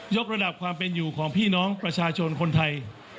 กระดับความเป็นอยู่ของพี่น้องประชาชนคนไทย